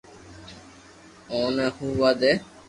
اوني ھووا دي